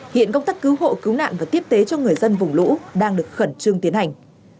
hiện công tác cứu hộ cứu nạn và tiếp tế cho người dân vùng lũ đang được khẩn trương tiến hành